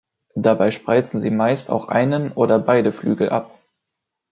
Dabei spreizen sie meist auch einen oder beide Flügel ab.